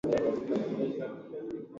wana asili ya Kinubi na makabila ya Ethiopia